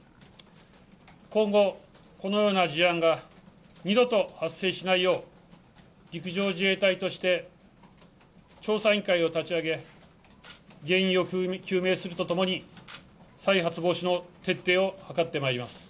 今後、このような事案が二度と発生しないよう、陸上自衛隊として調査委員会を立ち上げ、原因を究明するとともに再発防止の徹底を図ってまいります。